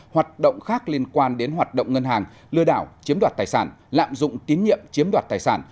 hoạt động khác liên quan đến hoạt động ngân hàng lừa đảo chiếm đoạt tài sản lạm dụng tín nhiệm chiếm đoạt tài sản